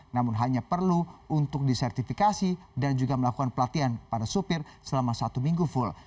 namun hanya perlu untuk disertifikasi dan juga melakukan pelatihan pada supir selama satu minggu full